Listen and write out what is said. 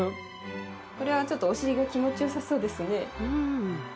これはちょっとお尻が気持ち良さそうですね。